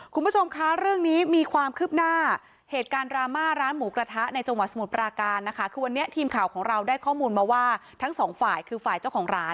คุณผู้ชมคะเรื่องนี้มีความคืบหน้าเหตุการณ์ดราม่าร้านหมูกระทะในจังหวัดสมุทรปราการนะคะคือวันนี้ทีมข่าวของเราได้ข้อมูลมาว่าทั้งสองฝ่ายคือฝ่ายเจ้าของร้าน